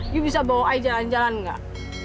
you bisa bawa ayah jalan jalan enggak